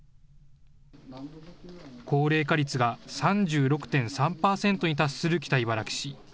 高齢化率が３６．３％に達する北茨城市。